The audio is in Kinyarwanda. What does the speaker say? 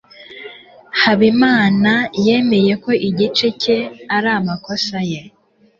habimana yemeye ko igice cye ari amakosa ye